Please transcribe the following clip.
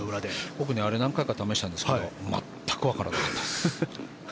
僕あれ何回か試したんですが全くわからなかったです。